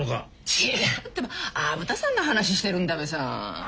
違うってば虻田さんの話してるんだべさ。